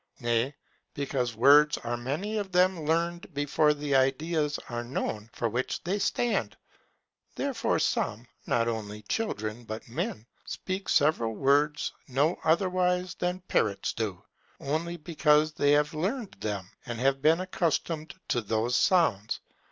Nay, because words are many of them learned before the ideas are known for which they stand: therefore some, not only children but men, speak several words no otherwise than parrots do, only because they have learned them, and have been accustomed to those sounds.